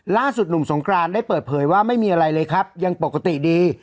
ล่าสุดหนุ่มสงกรานได้เปิดเผยว่าไม่มีอะไรเลยครับยังปกติดี